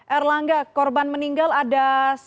erlangga korban meninggal ada